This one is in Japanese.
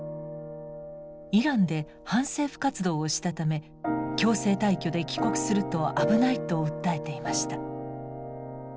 イランで反政府活動をしたため強制退去で帰国すると危ないと訴えていました。